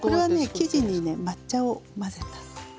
生地にね抹茶を混ぜたの。